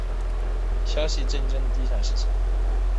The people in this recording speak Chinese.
消息震惊了地产市场。